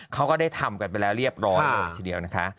เขาก็ได้ทำกันไปแล้วเรียบร้อยเลยทีเดียวนะคะ